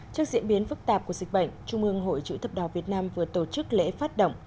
trước diễn biến phức tạp của dịch bệnh trung ương hội chữ thập đỏ việt nam vừa tổ chức lễ phát động